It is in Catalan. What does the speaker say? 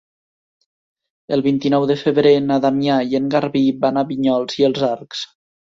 El vint-i-nou de febrer na Damià i en Garbí van a Vinyols i els Arcs.